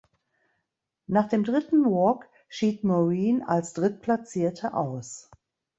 Nach dem dritten Walk schied Maureen als Drittplatzierte aus.